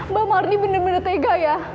mbak manny bener bener tega ya